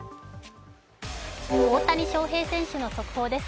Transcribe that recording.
大谷翔平選手の速報です。